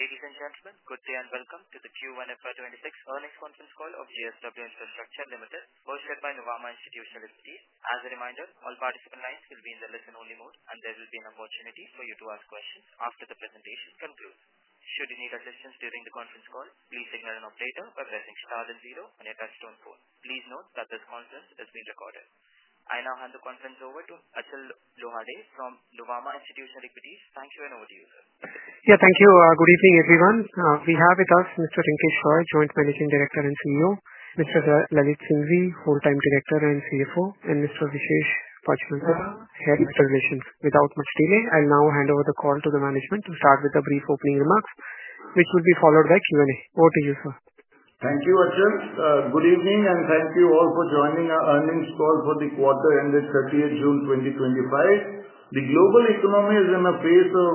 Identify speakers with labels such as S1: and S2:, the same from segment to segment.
S1: Ladies and gentlemen, good day, and welcome to the Q1 FY 'twenty six Earnings Conference Call of JSW Infrastructure Limited, hosted by Nuvama Institutional Ltd. As a reminder, all participant lines will be in the listen only mode, and there will be an opportunity for you to ask questions after the presentation concludes. Please note that this conference is being recorded. I now hand the conference over to Achal Juhadeh from Lumwama Institutional Equities. Thank you, and over to you, sir. Yeah.
S2: Thank you. Good evening, everyone. We have with us mister Rinke Shroy, joint managing director and CEO mister Lalit Singhvi, full time director and CFO and mister Vishesh Pachman sir, head of operations. Without much delay, I'll now hand over the call to the management to start with a brief opening remarks, which will be followed by Q and A. Over to you, sir.
S3: Thank you, Achal. Good evening, and thank you all for joining our earnings call for the quarter ended thirtieth June twenty twenty five. The global economy is in a place of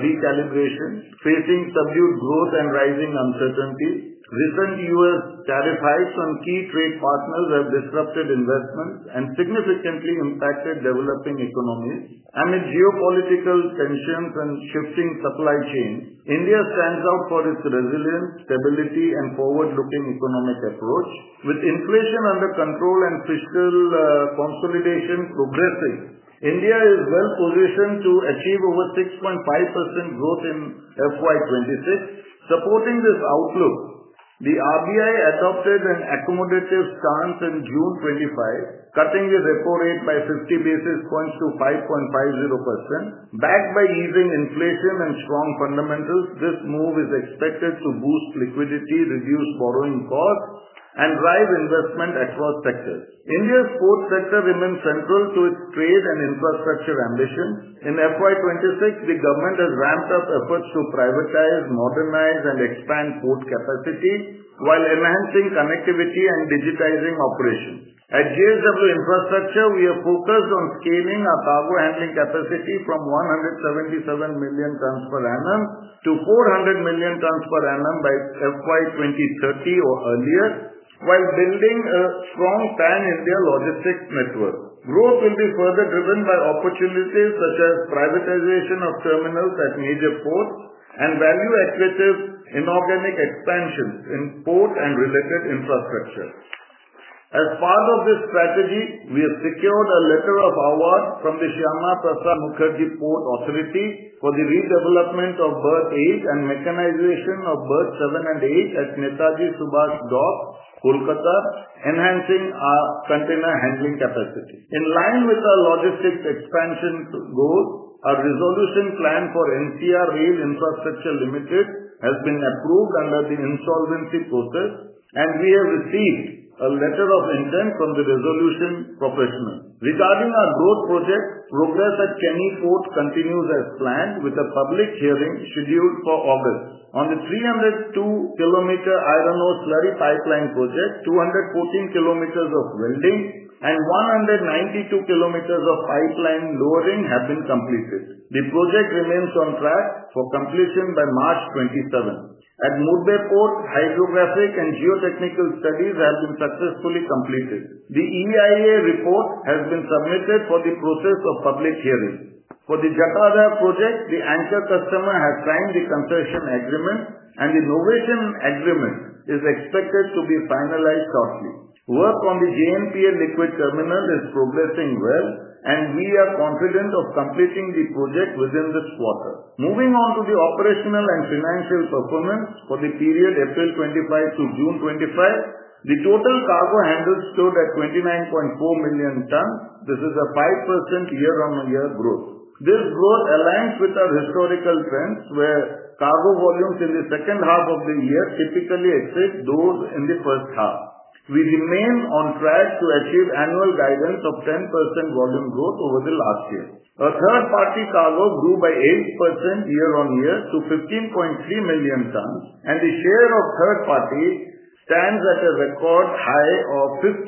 S3: recalibration, facing subdued growth and rising uncertainty. Recent U. S. Tariff hikes on key trade partners have disrupted investments and significantly impacted developing economies. Amid geopolitical tensions and shifting supply chain, India stands out for its resilience, stability and forward looking economic approach. With inflation under control and fiscal consolidation progressing, India is well positioned to achieve over 6.5% growth in FY 'twenty six. Supporting this outlook, the RBI adopted an accommodative stance in June '5, cutting the repo rate by 50 basis points to 5.5%, backed by easing inflation and strong fundamentals. This move is expected to boost liquidity, reduce borrowing costs and drive investment across sectors. India's sports sector remains central to its trade and infrastructure ambition. In FY '26, the government has ramped up efforts to privatize, modernize and expand port capacity while enhancing connectivity and digitizing operations. At JSW Infrastructure, we are focused on scaling our cargo handling capacity from 177,000,000 tonnes per annum to 400,000,000 tonnes per annum by FY 2030 or earlier, while building a strong Pan India logistics network. Growth will be further driven by opportunities such as privatization of terminals at major ports and value accretive inorganic expansions in port and related infrastructure. As part of this strategy, we have secured a letter of award from the Shyama Prasad Mukherjee port authority for the redevelopment of Berth 8 and mechanization of Berth 7 And 8 at Nisargisubash Dock, Kolkata, enhancing our container handling capacity. In line with our logistics expansion goals, our resolution plan for NCR Rail Infrastructure Limited has been approved under the insolvency process, and we have received a letter of intent from the resolution professional. Regarding our growth project, progress at Kenney Fort continues as planned with a public hearing scheduled for August. On the three zero two kilometer iron ore slurry pipeline project, two fourteen kilometers of welding and 192 kilometers of pipeline lowering have been completed. The project remains on track for completion by March 27. At Mudbeh Port, hydrographic and geotechnical studies have been successfully completed. The EIA report has been submitted for the process of public hearing. For the Jatadah project, the anchor customer has signed the concession agreement and innovation agreement is expected to be finalized shortly. Work on the JNP and liquid terminal is progressing well and we are confident of completing the project within this quarter. Moving on to the operational and financial performance for the period April 25 to June 25, the total cargo handled stood at 29,400,000 tons. This is a 5% year on year growth. This growth aligns with our historical trends where cargo volumes in the second half of the year typically exceed those in the first half. We remain on track to achieve annual guidance of 10% volume growth over the last year. Our third party cargo grew by 8% year on year to 15,300,000 tons, and the share of third party stands at a record high of 52%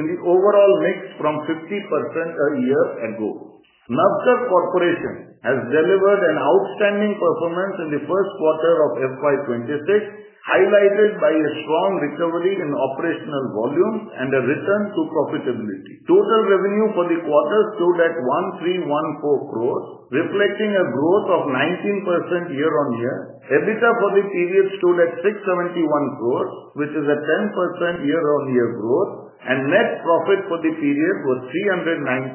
S3: in the overall mix from 50% a year ago. Navsat Corporation has delivered an outstanding performance in the first quarter of FY twenty six, highlighted by a strong recovery in operational volume and a return to profitability. Total revenue for the quarter stood at $13.14 crores, reflecting a growth of 19% year on year. EBITDA for the period stood at $6.71 crores, which is a 10% year on year growth and net profit for the period was INR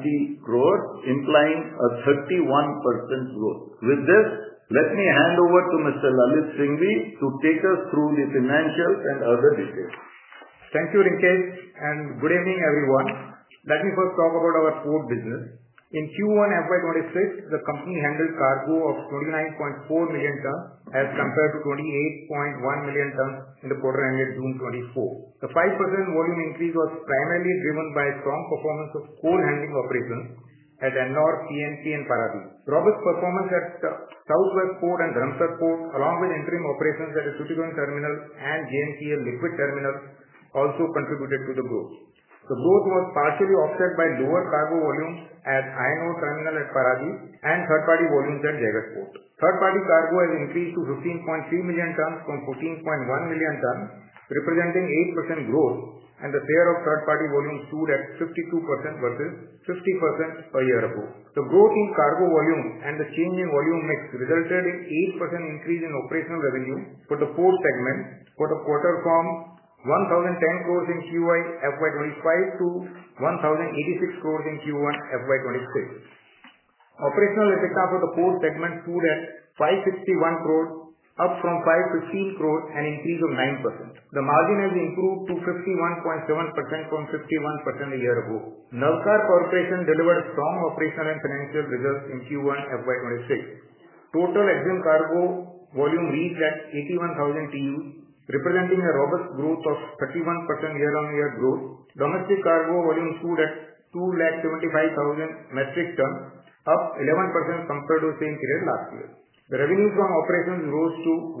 S3: $3.90 crores, implying a 31 growth. With this, let me hand over to Mr. Lalit Singhvi to take us through the financials and other details.
S4: Thank you, Rinke, and good evening, everyone. Let me first talk about our core business. In Q1 FY twenty six, the company handled cargo of 29,400,000 tons as compared to 28,100,000 tons in the quarter ended June 24. The 5% volume increase was primarily driven by strong performance of coal handling operations at Anor, P And P and Parati. Robert's performance at Southwest Port and Ramsar Port along with interim operations at the Sushigun Terminal and JNCL Liquid Terminal also contributed to the growth. The growth was partially offset by lower cargo volumes at INR Terminal at Paragi and third party volumes at Jaggersport. Third party cargo has increased to 15,300,000 tons from 14,100,000 tons, representing 8% growth and the share of third party volumes stood at 52% versus 50% a year ago. The growth in cargo volume and the change in volume mix resulted in 8% increase in operational revenue for the four segments for the quarter from $10.10 crores in QY FY twenty five to $10.86 crores in Q1 FY twenty six. Operational EBITDA for the four segment stood at $5.61 crores, up from $5.15 crores, an increase of 9%. The margin has improved to 51.7 from 51% a year ago. Nerve Car Corporation delivered strong operational and financial results in Q1 FY 'twenty six. Total Exile Cargo volume reached at 81,000 TEU, representing a robust growth of 31% year on year growth. Domestic Cargo volume stood at 275,000 metric tons, up 11% compared to same period last year. The revenue from operations rose to 138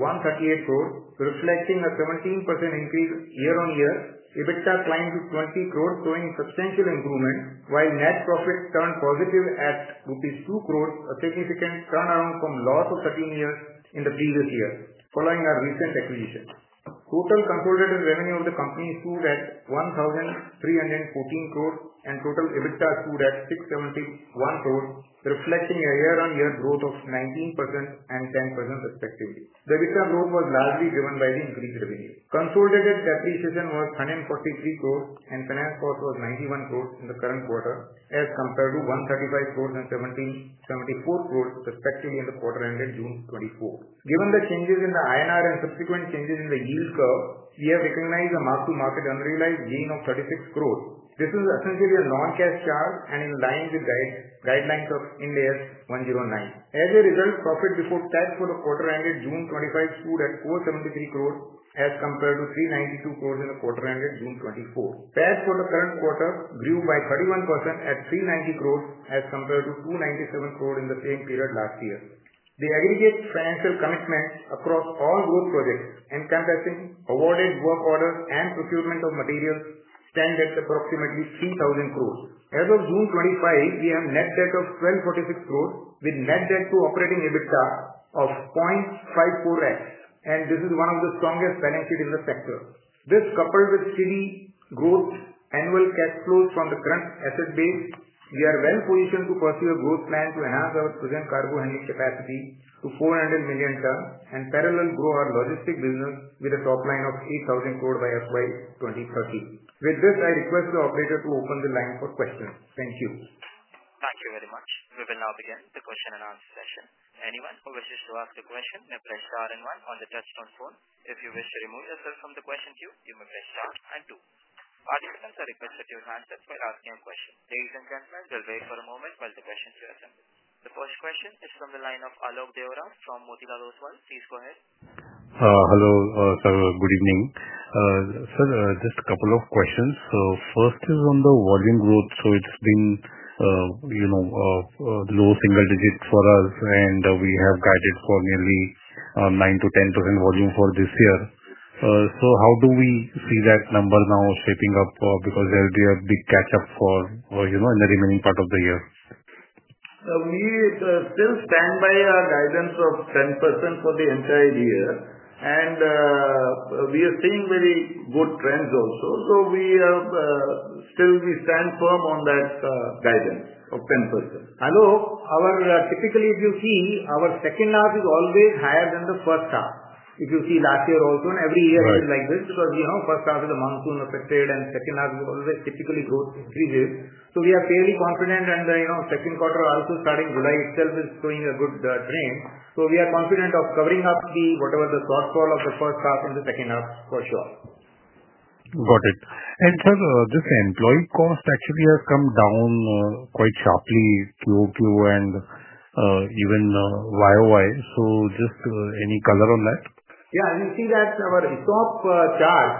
S4: crore, reflecting a 17% increase year on year. EBITDA climbed to 20 crores, showing substantial improvement, while net profit turned positive at INR 2 crores, a significant turnaround from loss of thirteen years in the previous year, following our recent acquisition. Total consolidated revenue of the company grew at INR $13.14 crores and total EBITDA grew at INR $6.71 crores, reflecting a year on year growth of 1910% respectively. The EBITDA growth was largely driven by the increased revenue. Consolidated debt decision was 143 crores and finance cost was 91 crores in the current quarter as compared to 135 crores and 74 crores, respectively, in the quarter ended June 24. Given the changes in the INR and subsequent changes in the yield curve, we have recognized a mark to market unrealized gain of 36 crores. This is essentially a noncash charge and in line with guidelines of India 01/2009. As a result, profit before tax for the quarter ended June 25 stood at INR $4.73 crores as compared to INR $3.92 crores in the quarter ended June 24. Tax for the current quarter grew by 31% at INR $3.90 crores as compared to INR $2.97 crores in the same period last year. The aggregate financial commitment across all those projects, encompassing awarded work orders and procurement of materials stand at approximately 3,000 crores. As of June 25, we have net debt of $12.46 crores with net debt to operating EBITDA of 0.54x and this is one of the strongest balance sheet in the sector. This coupled with steady growth annual cash flows from the current asset base, we are well positioned to pursue a growth plan to enhance our present cargo handling capacity to 400,000,000 tons and parallel grow our logistics business with a top line of 8,000 crore by FY 02/1930. With this, I request the operator to open the line for questions. Thank you.
S1: Thank you very much. We will now begin the question and session. The first question is from the line of Alok Deora from Motilal Oswal. Please go ahead.
S5: Hello, sir. Good evening. Sir, just a couple of questions. So first is on the volume growth. So it's been, you know, low single digit for us, we have guided for nearly 9% to 10% volume for this year. So how do we see that number now shaping up? Because there'll be a big catch up for, you know, in the remaining part of the year.
S4: We still stand by our guidance of 10% for the entire year, and we are seeing very good trends also. So we have still, we stand firm on that guidance of 10%. Although our typically, if you see, our second half is always higher than the first half. If you see last year also and every year is like this, because, know, first half is a monsoon affected and second half is always typically growth increases. So we are fairly confident and the second quarter also starting July itself is showing a good trend. So we are confident of covering up the whatever the shortfall of the first half and the second half for sure.
S5: Got it. And sir, just the employee cost actually has come down quite sharply Q o Q and even Y o Y. So just any color on that?
S4: Yeah. You see that our top chart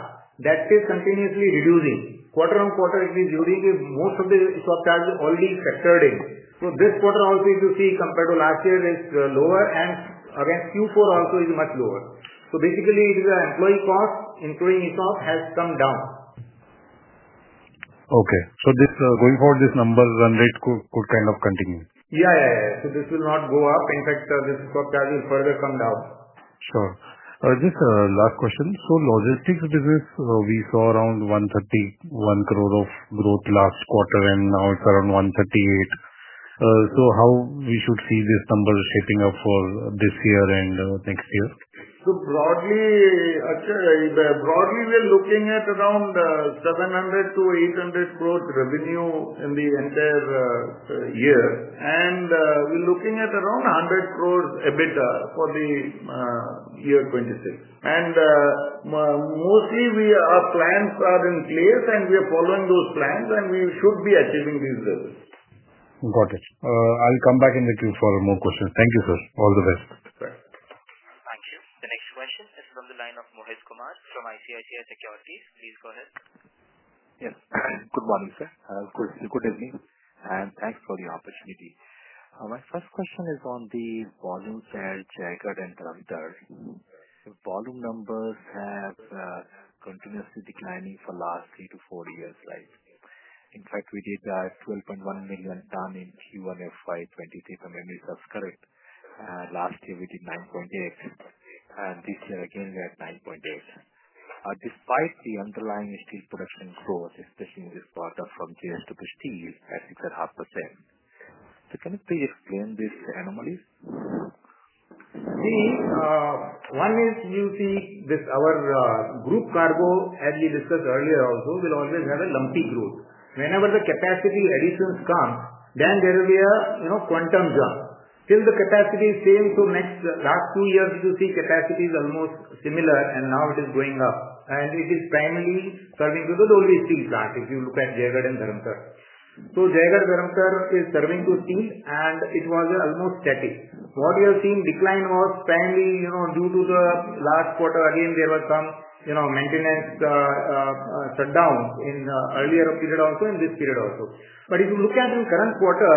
S4: that is continuously reducing. Quarter on quarter, is reducing most of the stock charge is already factored in. So this quarter, all these you see compared to last year is lower and again, Q4 also is much lower. So basically, the employee cost including itself has come down.
S5: Okay. So this going forward, this number run rate could could kind of continue?
S4: Yeah. Yeah. Yeah. So this will not go up. In fact, this forecast will further come down.
S5: Sure. Just last question. So logistics business, we saw around $1.31 crore of growth last quarter and now it's around $1.38. So how we should see this number shaping up for this year and next year?
S3: So broadly, actually broadly we're looking at around 700 crores to 800 crores revenue in the entire year. And we're looking at around 100 crores EBITDA for the year 'twenty six. And mostly, we our plans are in place and we are following those plans and we should be achieving these results. Got it. I'll come back in the
S5: queue for more questions. Thank you, sir. All the best.
S1: Thank you. The next question is from the line of Mohit Kumar from ICICI Securities. Please go ahead.
S6: Yes. Good morning, sir. Good evening, and thanks for the opportunity. My first question is on the volumes at Jagged and Ramdar. The volume numbers have continuously declining for last three to four years. Right? In fact, we did 12,100,000 ton in q one f y twenty three, if I may. That's correct. Last year, we did 9.8. And this year, again, we had 9.8. Despite the underlying steel production growth, especially with this product from JSTUC steel at six and a half percent. So can you please explain this anomaly?
S4: See, one
S3: is you see this our group cargo as we discussed earlier also will always have a lumpy growth. Whenever the capacity additions come, then there will be a quantum jump. Since the capacity is same to next last two years, you see capacity is almost similar and now it is going up. And it is primarily serving this is only a steel plant, if you look at Jaigar and Dharamtur. So Jaigar, Dharamshar is serving to steel and it was almost static. What you are seeing decline was primarily due to the last quarter, again, was some maintenance shutdown in earlier period also in this period also. But if you look at in current quarter,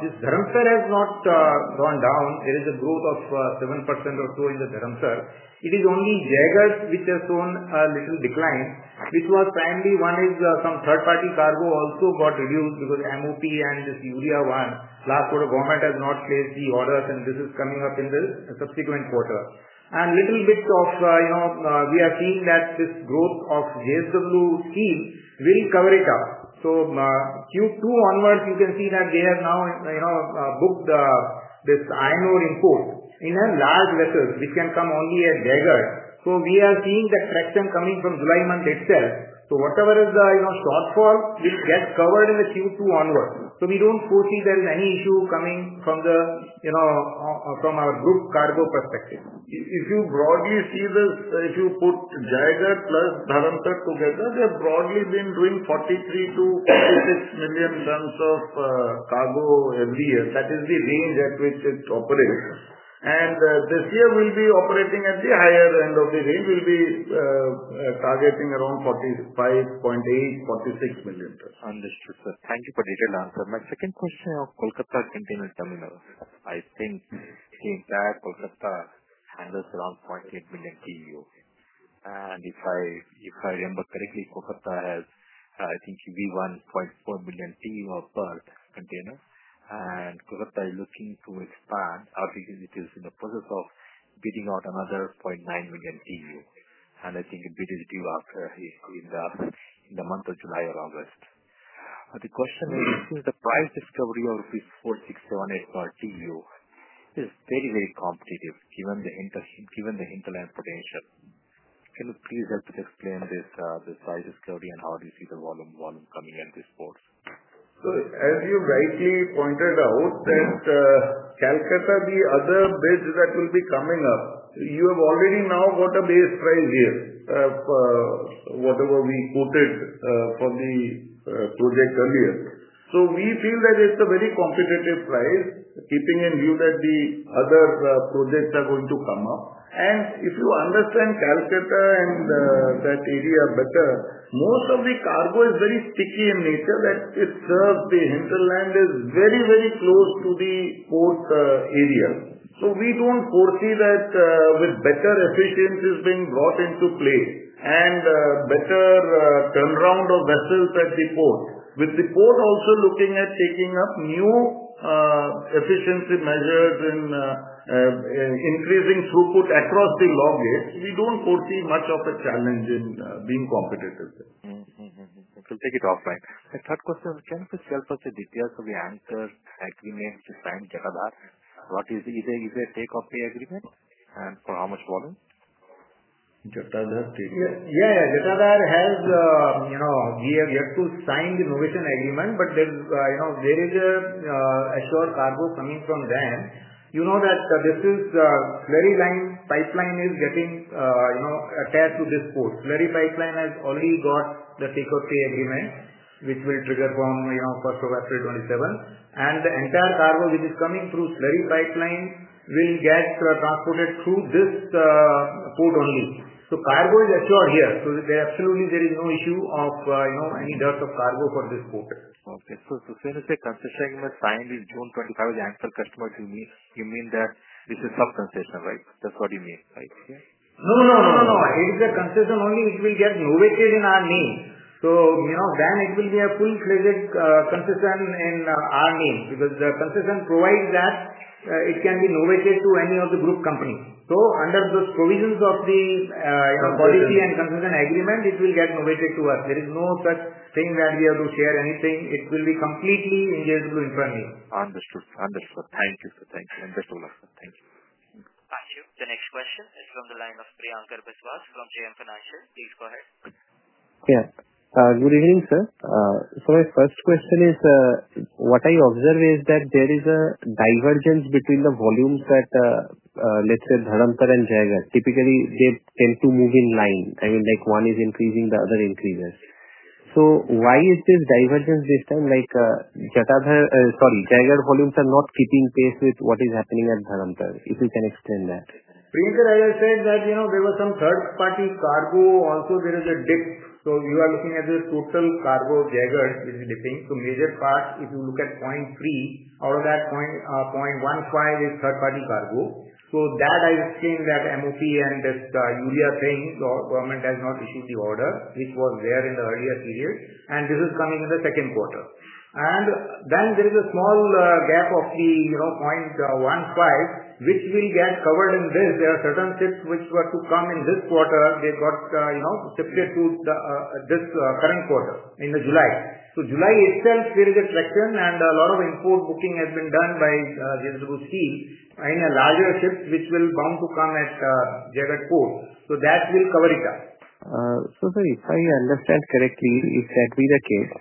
S3: this Dharam sir has not gone down. There is a growth of 7% or so in the Dharam sir. It is only Jaggers, which has shown a little decline, which was primarily one is some third party cargo also got reduced because MOP and this Urea one, last quarter government has not placed the orders and this is coming up in the subsequent quarter. And little bit of, we are seeing that this growth of JSW steel will cover it up. So Q2 onwards, you can see that they have now booked this iron ore import in a large vessel, which can come only as dagger. So we are seeing that traction coming from July month itself. So whatever is the shortfall, which gets covered in the Q2 onwards. So we don't foresee there is any issue coming from the from our group cargo perspective.
S4: If you broadly see this if you put Jaigar plus Bharatanat together, they have broadly been doing 43,000,000 to 46,000,000 tons of cargo every year. That is the range at which it operates. And this year, we'll be operating at the higher end of the range. We'll be targeting around 45,846,000.
S6: Understood, sir. Thank you for detailed answer. My second question on Kolkata Container Terminal. I think, in fact, Kolkata handles around 800,000.0 TEU. And if I if I remember correctly, Kolkata has, I think, u v 1,400,000 of bulk container. And Kolkata is looking to expand, obviously, it is in the process of bidding out another 900,000.0 TEU. And I think the bid is due after he cleaned up in the month of July or August. The question is, is the price discovery of this $4.06 $7.08 per TEU is very, competitive given the interest given the interline potential. Can you please help us explain this the size of security and how do you see the volume volume coming at this port?
S3: So as you rightly pointed out that Calcutta, the other bids that will be coming up, you have already now got a base price here, whatever we quoted for the project earlier. So we feel that it's a very competitive price keeping in view that the other projects are going to come up. And if you understand Calcutta and that area better, most of the cargo is very sticky in nature that it serves the hinterland is very, very close to the port area. So we don't foresee that with better efficiencies being brought into play and better turnaround of vessels at the port. With the port also looking at taking up new efficiency measures in increasing throughput across the log base, we don't foresee much of a challenge in being competitive.
S6: We'll take it offline. The third question, can you please help us with the details of the answer, like, may have to sign, What is the is there is there a take or pay agreement? And for how much volume?
S3: Jetadar take Yeah. Jetadar has, you know, we have yet to sign the Norwegian agreement, but there's, you know, there is a Azure cargo coming from there. You know that this is Slurry line pipeline is getting attached to this port. Slurry pipeline has already got the take or pay agreement, which will trigger from April 1. And the entire cargo, which is coming through Slurry pipeline will get transported through this port only. So cargo is assured here. So there absolutely, there is no issue of, you know, any doubt of cargo for this quarter.
S6: Okay. So so when you say concession was signed in June 25, the actual customer, you mean you mean that this is not concession. Right? That's what you mean. Right? Okay.
S3: No. No. No. No. It is a concession only. It will get novated in our name. So, you know, then it will be a full credit concession in our name because the concession provides that it can be novated to any of the group companies. So under those provisions of the policy and consistent agreement, it will get novated to us. There is no such thing that we have to share anything. It will be completely engaged in front of
S6: Understood, understood. Thank you, sir. Thank you. Best of luck. Thank you.
S1: Thank you. The next question is from the line of Priyanka Viswat from JM Financial. Please go ahead.
S7: Yeah. Good evening, sir. So my first question is, what I observed is that there is a divergence between the volumes that, let's say, Bharatan and Jaigar. Typically, they tend to move in line. I mean, like, one is increasing, the other increases. So why is this divergence this time, like, Jetadhar sorry, Jaigar volumes are not keeping pace with what is happening at Bharatan, if you can explain that?
S3: Prithir, as I said that, you know, there were some third party cargo. Also, there is a dip. So you are looking at this total cargo jaggers, which is dipping. So major part, if you look at point three, out of that point point one five is third party cargo. So that I think that MOP and this Yuliya thing government has not issued the order, which was there in the earlier period and this is coming in the second quarter. And then there is a small gap of the 0.15, which will get covered in this. There are certain ships which were to come in this quarter. They got to this current quarter in the July. So July itself will get flexed and a lot of import booking has been done by Jezrebukh Steel in a larger shift, which will come to come at Jainzuru. So that will cover it up.
S7: So sorry, if I understand correctly, if that be the case,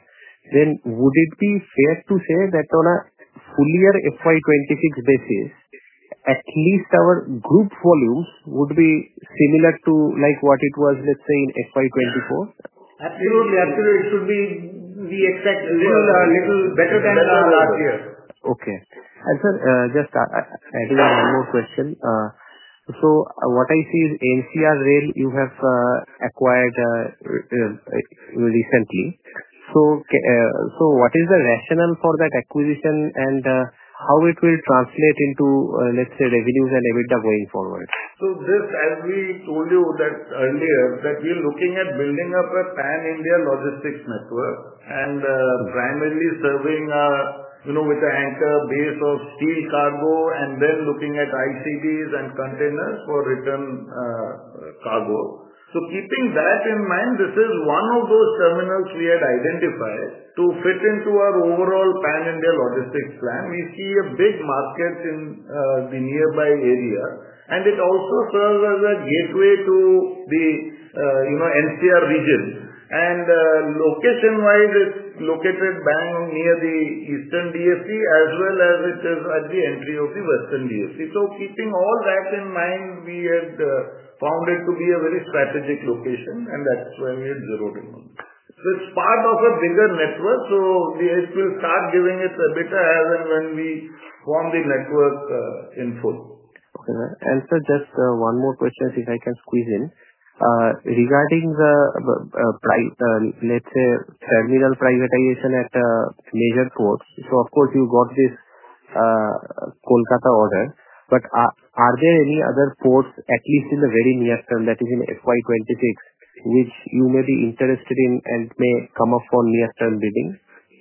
S7: then would it be fair to say that on a full year FY 'twenty six basis, at least our group volumes would be similar to, like, what it was, let's say, in FY '24?
S3: Absolutely. Absolutely. It should be we expect a little little better than Okay. Last
S7: And sir, just I do have one more question. So what I see is NCR Rail, you have acquired recently. So so what is the rationale for that acquisition and how it will translate into let's say revenues and EBITDA going forward?
S3: So this as we told you that earlier that we're looking at building up a Pan India logistics network and primarily serving with the anchor base of steel cargo and then looking at ICDs and containers for return cargo. So keeping that in mind, this is one of those terminals we had identified to fit into our overall Pan India logistics plan. We see a big market in the nearby area and it also serves as a gateway to the NCR region. And location wise, it's located Bangor near the Eastern DFC as well as it is at the entry of the Western DFC. So keeping all that in mind, we had founded to be a very strategic location and that's why we're zeroed in. So it's part of a bigger network. So it will start giving us a bit as and when we form the network in full.
S7: Okay. And sir, just one more question, if I can squeeze in. Regarding the price, let's say, terminal privatization at a major ports. So, of course, you got this Kolkata order. But are there any other ports at least in the very near term that is in FY '26, which you may be interested in and may come up for near term bidding?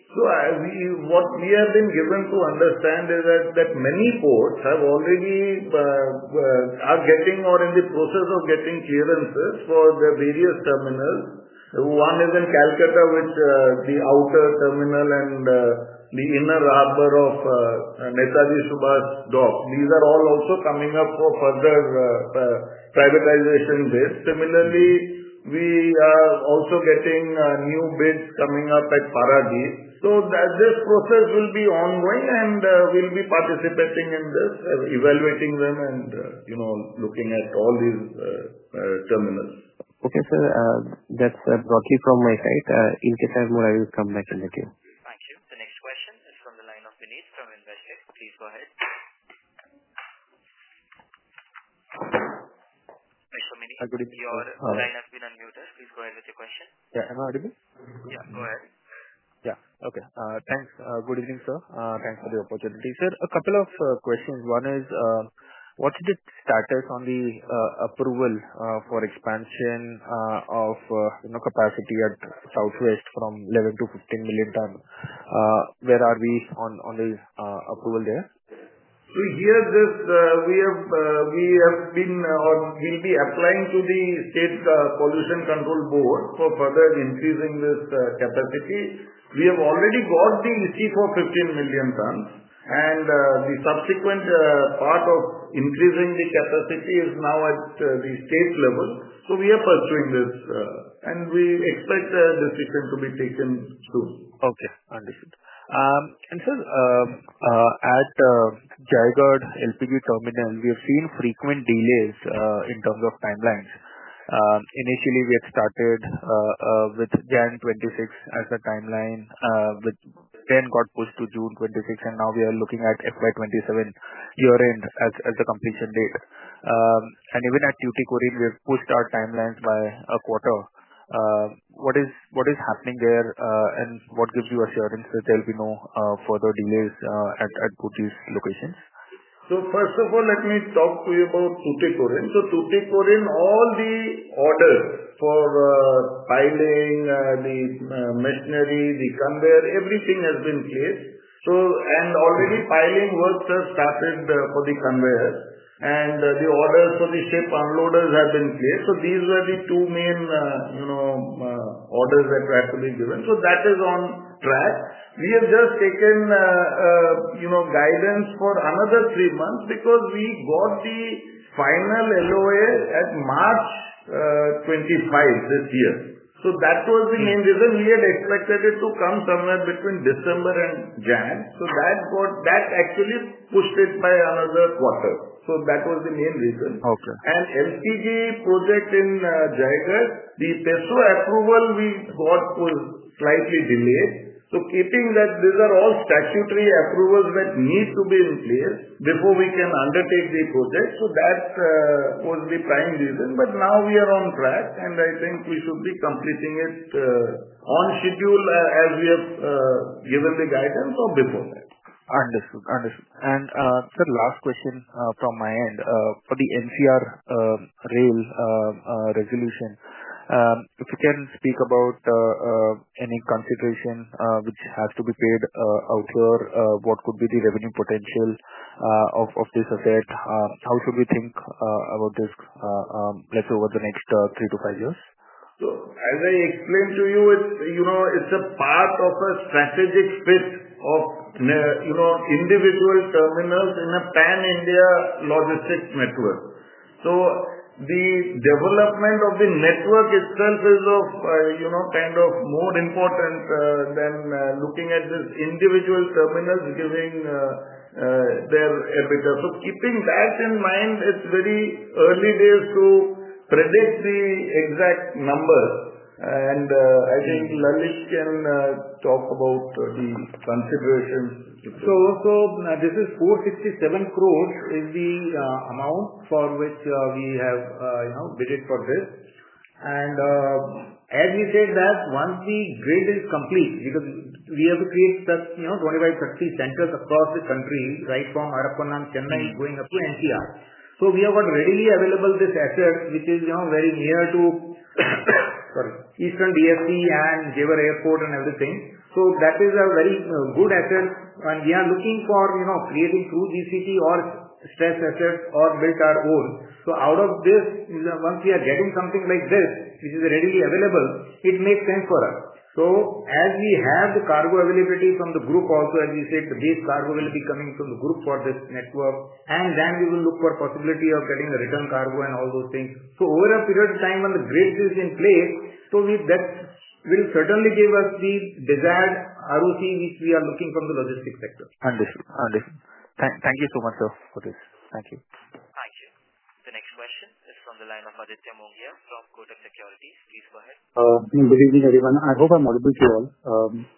S3: So what we have been given to understand is that that many ports have already are getting or in the process of getting clearances for the various terminals. One is in Calcutta, which the outer terminal and the inner harbor of Netaji Subad's dock. These are all also coming up for further privatization base. Similarly, we are also getting new bids coming up at Paragi. So this process will be ongoing and we'll be participating in this, evaluating them and looking at all these terminals.
S7: Okay, sir. That's brought you from my side. In case I will come back in the queue.
S1: Thank you. The next question is from the line of Vinit from Investec. Please go ahead. Mister, your line has been unmuted. Please go ahead with your question.
S8: Yeah. Am I audible? Yeah.
S3: Go ahead.
S8: Yeah. Okay. Thanks. Good evening, sir. Thanks for the opportunity. Sir, a couple of questions. One is, what's the status on the approval for expansion of capacity at Southwest from 11 to 15,000,000 tonnes? Where are we on the approval there?
S3: So here this we have we have been we'll be applying to the state pollution control board for further increasing this capacity. We have already got the issue for 15,000,000 tons, and the subsequent part of increasing the capacity is now at the state level. So we are pursuing this and we expect this treatment to be taken too.
S8: Okay, understood. And sir, at Jigarh LPB Terminal, we have seen frequent delays in terms of timelines. Initially, we had started with Jan twenty six as the timeline, but then got pushed to June 26, and now we are looking at FY '27 year end as as the completion date. And even at duty coding, we have pushed our timelines by a quarter. What is what is happening there, and what gives you assurance that there'll be no further delays at at Kutis locations?
S3: So first of all, let me talk to you about Tuticorin. So Tuticorin, all the orders for piling, the machinery, the conveyor, everything has been placed. So and already filing work has started for the conveyor and the orders for the ship unloaders have been placed. So these were the two main orders that were to be given. So that is on track. We have just taken guidance for another three months because we got the final LOA at March 25 this year. So that was the main reason. We had expected it to come somewhere between December So that's what that actually pushed it by another quarter. So that was the main reason. And LPG project in Jaigarh, the peso approval we bought was slightly delayed. So keeping that these are all statutory approvals that need to be in place before we can undertake the project. So that was the prime reason. But now we are on track and I think we should be completing it on schedule as we have given the guidance or before that.
S8: Understood. Understood. And sir, last question from my end. For the NCR rail resolution, if you can speak about any consideration which has to be paid out here, what could be the revenue potential of this effect? How should we think about this, let's say, over the next three to five years?
S3: So as I explained to you, it's, you know, it's a part of a strategic fit of, you know, individual terminals in a pan India logistics network. So the development of the network itself is of kind of more important than looking at this individual terminals giving their EBITDA. So keeping that in mind, it's very early days to predict the exact number. And I think Lalish can talk about the consideration.
S4: So this is INR $4.67 crores is the amount for which we have, you know, bidded for this. And as we said that once the grade is complete, because we have to create such, you know, 25, 30 centers across the country, right from Harappanam, Chennai going up to India. So we have got readily available this asset, which is now very near to, sorry, Eastern BFC and Jawar Airport and everything. So that is a very good asset and we are looking for creating through GCT or stress assets or built our own. So out of this, once we are getting something like this, which is readily available, it makes sense for us. So as we have the cargo availability from the group also and we said the base cargo will be coming from the group for this network And then we will look for possibility of getting the return cargo and all those things. So over a period of time when the bridge is in place, so we that will certainly give us the desired ROC which we are looking from the logistics sector.
S8: Understood. Understood. Thank thank you so much, for this.
S3: Thank you.
S1: Thank you. The next question is from the line of Aditya Mogia from Kotak Securities. Please go ahead.
S9: Good evening, everyone. I hope I'm audible to you all.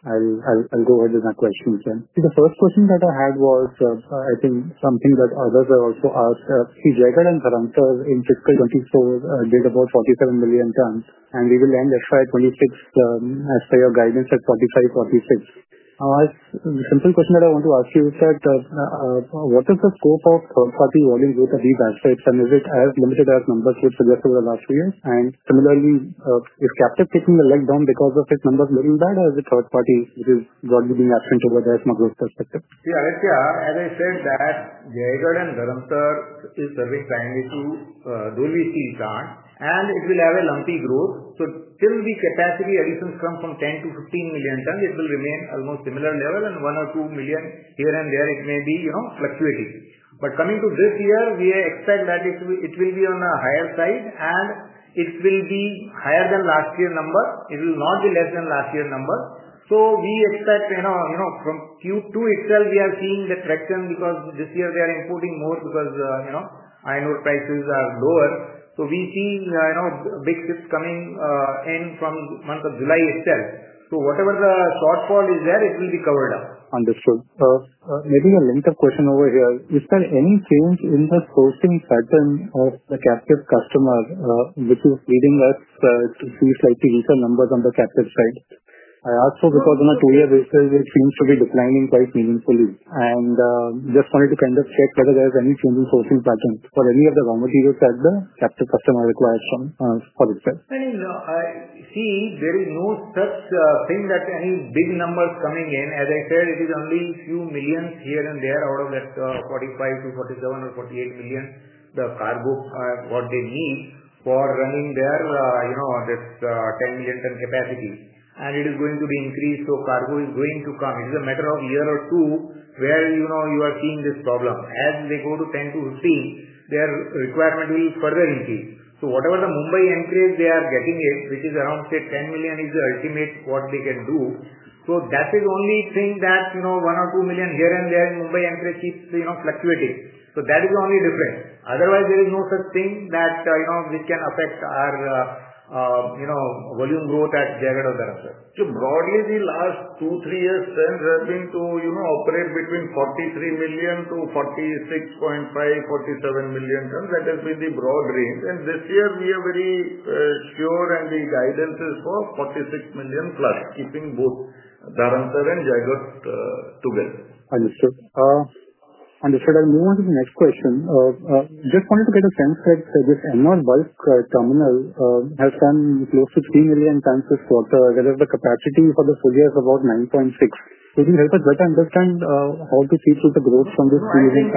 S9: I'll I'll I'll go ahead with my questions then. See, the first question that I had was, I think, something that others have also asked. See, Jaykal and Paramkar in fiscal 'twenty four did about 47,000,000 tonnes, and we will end FY 'twenty six as per your guidance at $45.46. The simple question that I want to ask you is that what is the scope of third party volume growth of these assets? And is it as limited as numbers you've suggested over the last few years? And similarly, if Captive taking the leg down because of its numbers moving bad or is it third party, which is broadly being absent over there from a growth perspective?
S3: Yes, Alexia, as I said that Jayajar and Garmthor is serving kindly to Dolby seed plant and it will have a lumpy growth. So still the capacity additions come from 10,000,000 to 15,000,000 tons, it will remain almost similar level and 1,000,000 or 2,000,000 here and there it may be fluctuating. But coming to this year, we expect that it will be on a higher side and it will be higher than last year number. It will not be less than last year number. So we expect from Q2 itself, we are seeing the traction because this year, they are importing more because iron ore prices are lower. So we see big shifts coming in from month of July itself. So whatever the shortfall is there,
S9: it will be covered up. Understood. Maybe a length of question over here. Is there any change in the sourcing pattern of the captive customer, which is leading us to see slightly weaker numbers on the captive side? I also because on a two year basis, it seems to be declining quite meaningfully. And just wanted to kind of check whether there's any change in sourcing patterns for any of the raw materials that the captive customer requires from for itself.
S5: I mean, no, I see
S3: there is no such thing that any big numbers coming in. As I said, it is only few millions here and there out of that 45,000,000 to 47,000,000 or 48,000,000, the cargo, what they need for running their, you know, on this 10,000,000 ton capacity. And it is going to be increased, so cargo is going to come. It's a matter of year or two where, you know, you are seeing this problem. As they go to 10 to 15, their requirement will further increase. So whatever the Mumbai increase they are getting it, which is around say 10,000,000 is the ultimate what they can do. So that is only thing that one or 2,000,000 here and there in Mumbai increase is fluctuating. So that is the only difference. Otherwise, there is no such thing that which can affect our volume growth at JAGAD or that, sir.
S4: So broadly the last two, three years then has been to operate between 43,000,000 to 46.5, 47,000,000 tons, that has been the broad range. And this year, we are very sure and the guidance is for forty six million plus keeping both Dharanser and Jayagot together.
S9: Understood. Understood. I'll move on to the next question. Just wanted to get a sense that this MR bulk terminal has done close to 3,000,000 tonnes this quarter, whereas the capacity for the full year is about 9.6. Could you help us better understand how to see through the growth from this You're confusing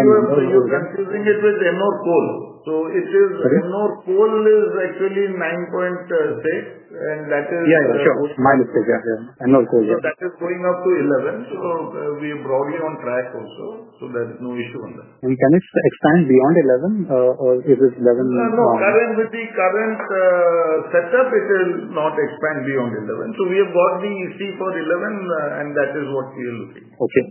S3: it with Amor coal. So is Amor coal is actually 9.6 and that is
S9: Yes, sure. Mile effect. Amor coal, yes.
S3: So is going up to 11. So we are broadly on track also. So there's no issue on that.
S9: And can it expand beyond 11 or is this 11
S3: No, no, With the current setup, it will not expand beyond 11. So we have got the EC for 11, and that is what we are looking.
S9: Okay.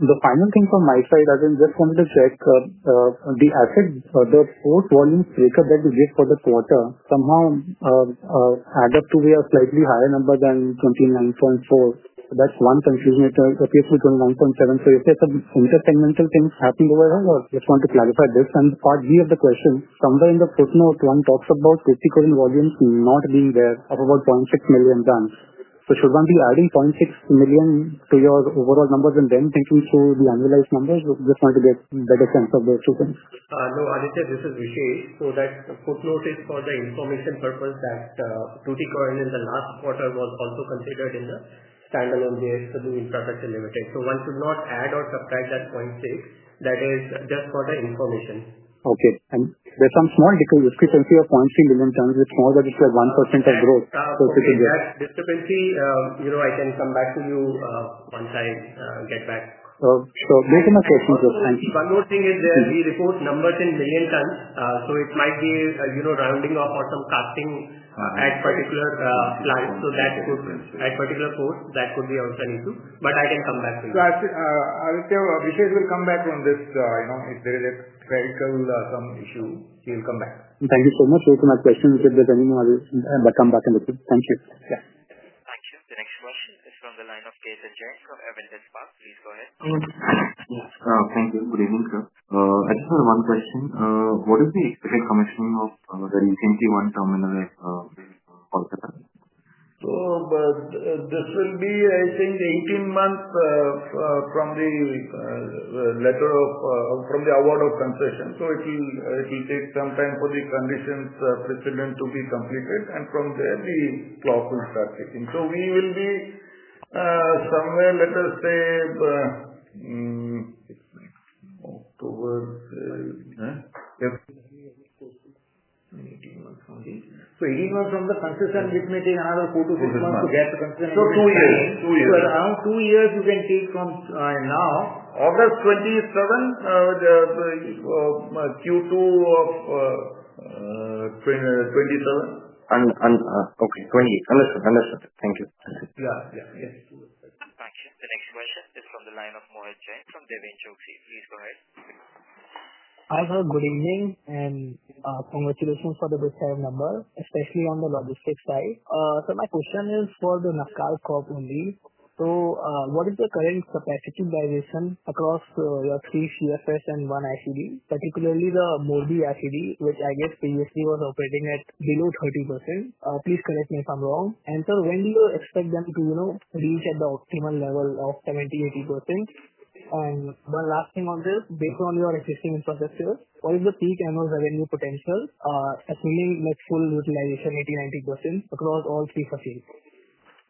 S9: The final thing from my side, I just wanted to check the asset or the fourth volume breakup that we did for the quarter, somehow add up to a slightly higher number than 29.4. That's one confusion it appears to 29.7. So is there some intersegmental things happening over here? Or just want to clarify this? And part B of the question, somewhere in the footnote, one talks about critical volumes not being there of about 600,000 tonnes. So should one be adding point 6,000,000 to your overall numbers and then thinking through the annualized numbers? Just want to get better sense of those two things.
S10: No, Aditya. This is Vishay. So that footnote is for the information purpose that Kurtikoin in the last quarter was also considered in the stand alone way to do infrastructure limited. So one should not add or subtract that point six. That is just for the information.
S9: Okay. And there's some small decrease discrepancy of point 3,000,000 tons. It's more than it's like 1% of growth.
S10: So if can get discrepancy, you know, I can come back to you once I get back.
S9: Sure. Make enough questions, sir. Thank you.
S10: One more thing is that we report numbers in million tons. So it might be, you know, rounding off or some costing at particular plant. So that would, at particular port, that could be also an issue, but I can come back to you.
S3: So I think Vishay will come back on this, if there is a clerical some issue, he'll come back.
S9: Thank you so much. Those are my questions. If there's any more, I'll come back in a few. Thank you. Yeah.
S1: Thank you. The next question is from the line of Jason James from Evans and Spark. Please go
S11: ahead. Yes.
S3: Thank you. Good evening, sir.
S11: I just have one question. What is the exact commissioning of the 21?
S3: So this will be, I think, eighteen months from the letter of from the award of concession. So it will take some time for the conditions it is not from the consistent with meeting hour of four to six months to get the consent So two years. Two years. Around two years, you can take from now. August 27, the q 02/2027. And and okay. '28.
S11: Understood. Understood. Thank you.
S3: Yeah. Yeah. Yeah. Thank
S1: you. The next question is from the line of Mohit Jain from Devi and Chokshi. Please go ahead.
S12: Hi sir, good evening and congratulations for the good time number, especially on the logistics side. Sir, my question is for the only. So what is the current capacity duration across your three CFS and one ICD, particularly the Modi ICD, which I guess previously was operating at below 30%. Please correct me if I'm wrong. And sir, when do you expect them to, you know, reach at the optimal level of 80%? And the last thing on this, based on your existing infrastructure, what is the peak annual revenue potential assuming, like, full utilization, 90% across all three facilities?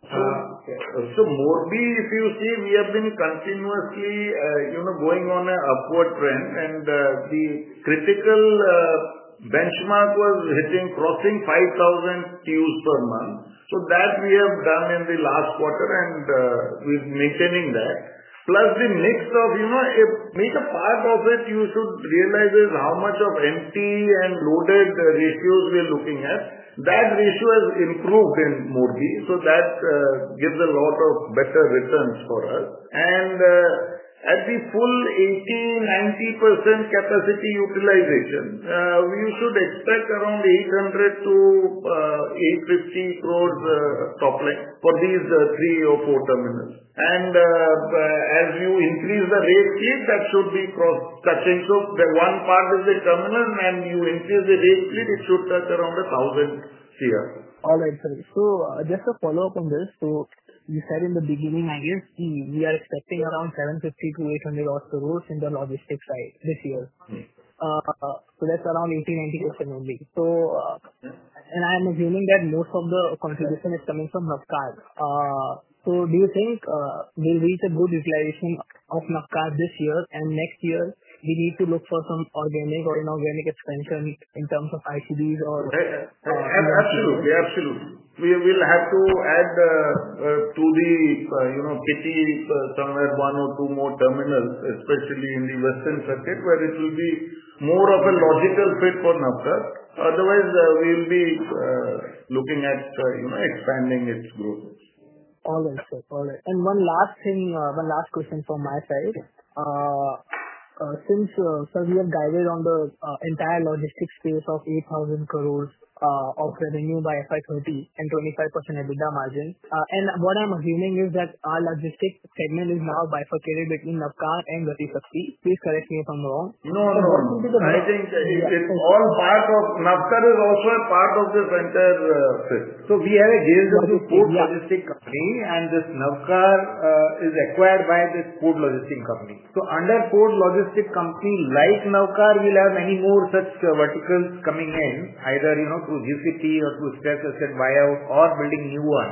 S3: So more we if you see, we have been continuously, you know, going on a upward trend, and the critical benchmark was hitting crossing 5,000 queues per month. So that we have done in the last quarter, and we're maintaining that. Plus the mix of make a part of it you should realize is how much of empty and loaded ratios we're looking at. That ratio has improved in Murgi. So that gives a lot of better returns for us. And at the full 80%, 90% capacity utilization, you should expect around INR800 crores to crores top line for these three or four terminals. And as you increase the rate, that should be from touching. So the one part is the terminal and you increase the rate, it should touch around a thousand here.
S12: Alright, sir. So just a follow-up on this. So you said in the beginning, I guess, we we are expecting around $7.50 to 800 odd crores in the logistics side this year. So that's around 8090% only. So Mhmm. And I'm assuming that most of the contribution is coming from Navcar. So do you think we'll reach a good utilization of Navcar this year and next year, we need to look for some organic or inorganic expansion in terms of ICDs or
S3: Absolutely, absolutely. We will have to add to the, know, PT somewhere one or two more terminals, especially in the Western Circuit, where it will be more of a logical fit for Navkar. Otherwise, we'll be looking at, you know, expanding its growth.
S12: Alright, sir. Alright. And one last thing, one last question from my side. Since, sir, we have guided on the entire logistics space of 8,000 crores of revenue by FY 2025% EBITDA margin. And what I'm assuming is that our logistics segment is now bifurcated between Navkar and the. Please correct me if I'm wrong.
S4: No no. I think that it's all part of, Navkar is also a part of the vendor. So we have a GSW food logistic company, and this Navkar is acquired by this food logistic company. So under food logistic company, like Navkar, we'll have many more such verticals coming in, either through GCT or through step asset buyout or building new one.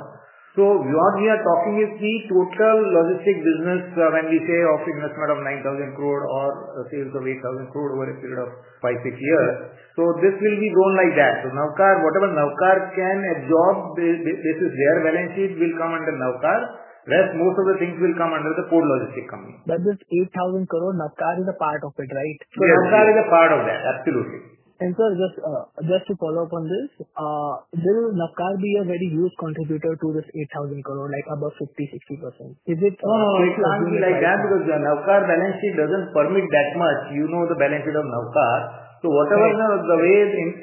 S4: So what we are talking is the total logistic business when we say of investment of 9,000 crore or sales of 8,000 crore over a period of five, six years. So this will be going like that. So Navkar, whatever Navkar can absorb, this is their balance sheet will come under Navkar, rest most of the things will come under the food logistic company.
S12: But this 8,000 crore, Navkar is a part of it, right?
S3: Navkar is a part of that, absolutely.
S12: And sir, just just to follow-up on this, will Navcar be a very huge contributor to this 8,000 crore, like, above 60%? Is it No. It's not going be like
S3: that because the Navcar balance sheet doesn't permit that much. You know the benefit of Navcar. So whatever the way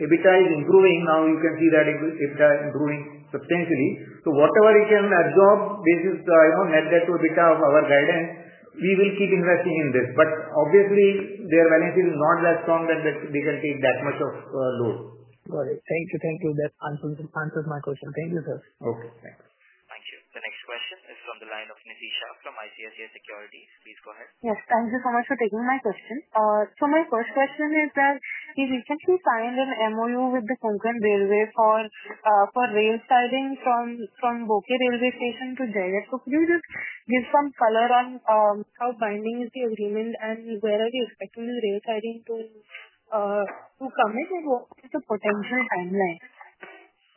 S3: EBITDA is improving, now you can see that EBITDA is growing substantially. So whatever you can absorb, this is the net debt to EBITDA of our guidance, we will keep investing in this. But, obviously, their balance is not that strong that they can take that much of load.
S12: Got it. Thank you. Thank you. That answers answers my question. Thank you, sir.
S4: Okay. Thanks. Thank you.
S1: The next question is from the line of Nishi Shah from ICICI Securities. Please go ahead.
S13: Yes. Thank you so much for taking my question. So my first question is that, you recently signed an MOU with the Kokan railway for for rail siding from from railway station to. So can you just give some color on how binding is the agreement, and where are you expecting the rail starting to to commit, and what is the potential timeline?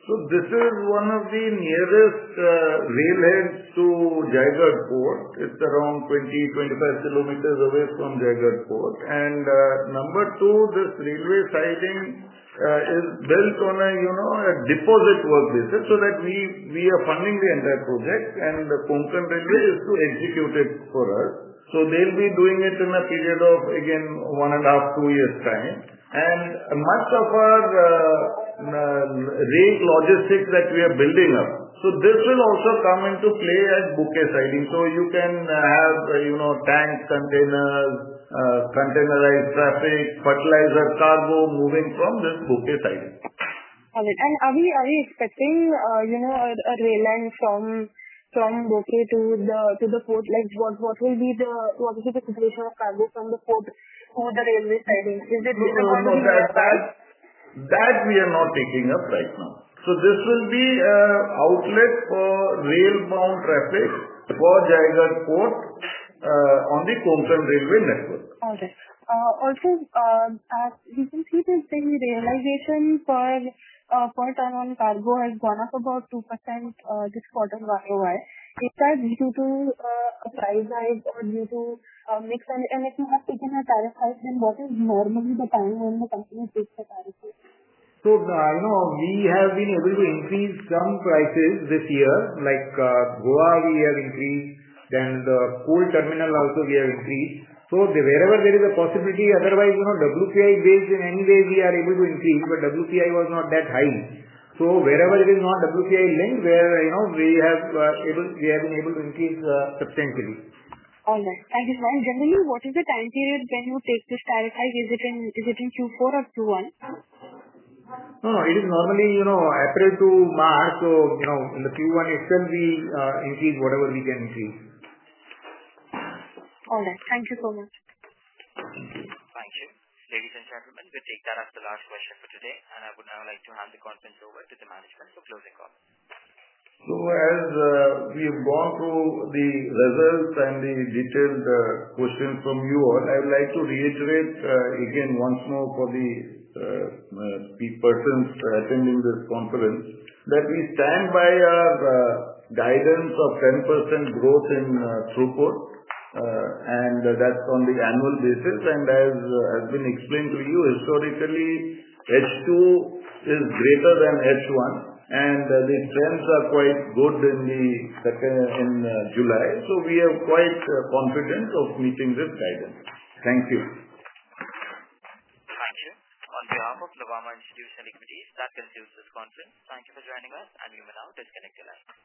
S3: So this is one of the nearest railheads to Jaigarh Fort. It's around twenty, twenty five kilometers away from Jaigarh Fort. And number two, this railway siding is built on a, you know, a deposit work basis so that we are funding the entire project and the concept is to execute it for us. So they'll be doing it in a period of again one point five, two years' time. And much of our rate logistics that we are building up, So this will also come into play at Bouquet Siding. So you can have tanks, containers, containerized traffic, fertilizer, cargo moving from this Bouquet Siding.
S13: Got it. And are we are we expecting, you know, a a rail line from from Bouquet to the to the port? Like, what what will be the what will be the separation of cargo from the port over the railway siding?
S3: Is it just a 1% impact? The we are not taking up right now. So this will be outlet for rail bound traffic for Jaigarh Court on the Komshall railway network.
S13: Okay. Also, we can see this thing, realization for for turn on cargo has gone up about 2% this quarter Y o Y. Is that due to a price rise or due to mix and and if you have taken a tariff hike, then what is normally the time when the company takes the tariff?
S3: So I know we have been able to increase some prices this year, like, have increased, then the coal terminal also we have increased. So wherever there is a possibility, otherwise, you know, the WPI is based in any way we are able to increase, but WPI was not that high. So wherever it is not, WPI linked, where, you know, we have able we have been able to increase substantially.
S13: Alright. And this one, generally, what is the time period when you take this tariff hike? Is it in is it in q four or q one? No.
S3: It is normally, you know, April to March. So, you know, in the q one, it's gonna be increase whatever we can increase.
S13: Alright. Thank you so much.
S1: Thank you. Ladies and gentlemen, we take that as the last question for today. And I would now like to hand the conference over to the management for closing call.
S3: So as we have gone through the results and the detailed questions from you all. I would like to reiterate again once more for the persons attending this conference that we stand by our guidance of 10% growth in throughput and that's on the annual basis. And as has been explained to you, historically, H2 is greater than H1 and the trends are quite good July. So we are quite confident of meeting this guidance. Thank you.
S1: Thank you. On behalf of Lovama Institutional Equities, that concludes this conference. Thank you for joining us and you may now disconnect your lines.